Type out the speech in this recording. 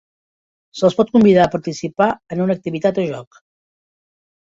Se'ls pot convidar a participar en una activitat o joc.